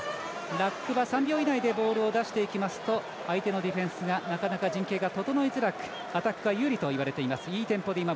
ラックは３秒以内にボールを出していきますと相手のディフェンスがなかなか陣形が整いづらくアタックが有利といわれています。